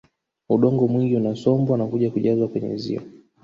Udongo mwingi unasombwa na kuja kujazwa kwenye ziwa